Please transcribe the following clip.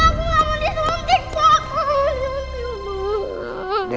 aku gak mau disuntik pak